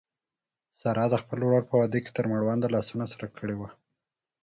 سارې د خپل ورور په واده تر مړونده لاسونه سره کړي و.